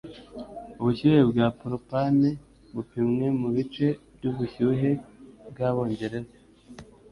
Ubushyuhe bwa propane bupimwe mubice byubushyuhe bwabongereza